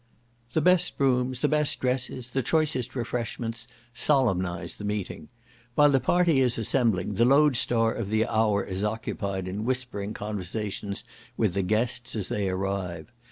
The best rooms, the best dresses, the choicest refreshments solemnize the meeting. While the party is assembling, the load star of the hour is occupied in whispering conversations with the guests as they arrive.